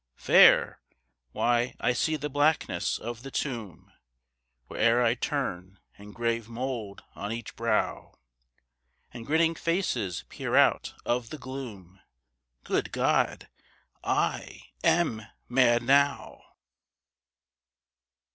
Fair? Why, I see the blackness of the tomb Where'er I turn, and grave mould on each brow; And grinning faces peer out of the gloom Good God! I am mad now.